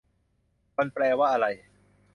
มันแปลว่าอะไร